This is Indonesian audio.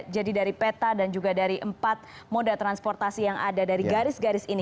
jadi dari peta dan juga dari empat moda transportasi yang ada dari garis garis ini